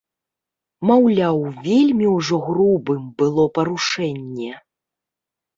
Маўляў, вельмі ўжо грубым было парушэнне.